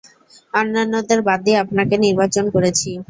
অন্যান্যদের বাদ দিয়ে আপনাকে নির্বাচন করেছি।